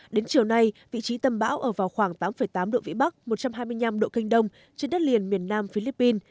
đến chiều nay vị trí tâm bão ở vào khoảng tám tám độ vĩ bắc một trăm hai mươi năm độ kinh đông trên đất liền miền nam philippines